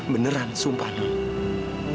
beneran sumpah non